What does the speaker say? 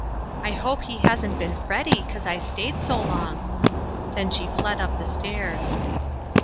" I hope he hasn't been fretty 'cause I fetaid so long!" Then she fled up the stairs.